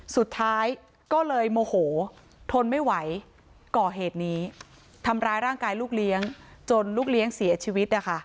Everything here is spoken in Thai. สุดท้ายก็เลยโมโหทนไม่ไหวก่อเหตุนี้ทำร้ายร่างกายลูกเลี้ยงจนลูกเลี้ยงเสียชีวิตนะคะ